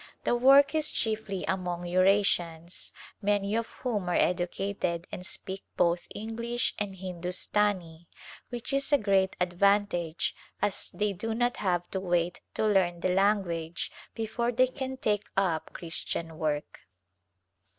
The work is chiefly among Eurasians, many of whom are educated and speak both English and Hindustani which is a great advan tage as they do not have to wait to learn the language before they can take up Christian work.